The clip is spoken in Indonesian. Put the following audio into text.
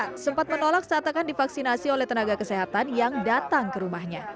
tersangka sempat menolak saat akan divaksinasi oleh tenaga kesehatan yang datang ke rumahnya